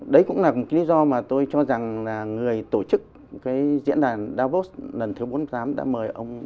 đấy cũng là một lý do mà tôi cho rằng là người tổ chức cái diễn đàn davos lần thứ bốn mươi tám đã mời ông